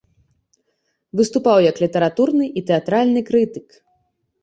Выступаў як літаратурны і тэатральны крытык.